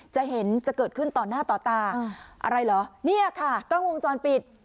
จะเห็นจะเกิดขึ้นต่อหน้าต่อตาอะไรเหรอเนี่ยค่ะกล้องวงจรปิด